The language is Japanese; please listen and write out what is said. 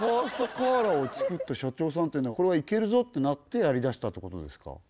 ＣＡＳＡＣＯＬＯＲを作った社長さんっていうのはこれはいけるぞってなってやりだしたってことですか？